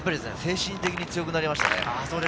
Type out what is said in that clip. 精神的に強くなりました。